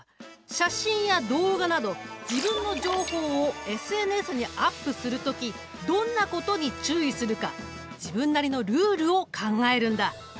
写真や動画など自分の情報をＳＮＳにアップする時どんなことに注意するか自分なりのルールを考えるんだ！